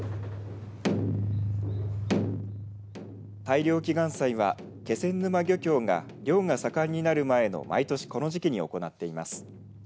大漁祈願祭は、気仙沼漁協が漁が盛んになる前の毎年この時期に行っています。